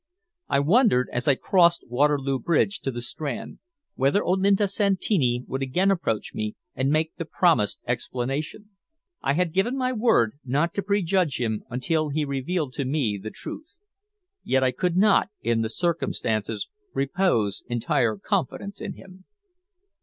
I wondered as I crossed Waterloo Bridge to the Strand, whether Olinto Santini would again approach me and make the promised explanation. I had given my word not to prejudge him until he revealed to me the truth. Yet I could not, in the circumstances, repose entire confidence in him.